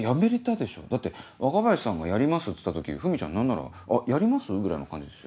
だって若林さんが「やります」っつった時ふみちゃん何なら「やります？」ぐらいの感じでしたよ。